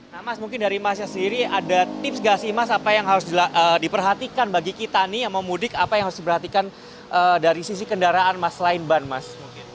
nah mas mungkin dari mas nya sendiri ada tips gak sih mas apa yang harus diperhatikan bagi kita nih yang mau mudik apa yang harus diperhatikan dari sisi kendaraan mas selain ban mas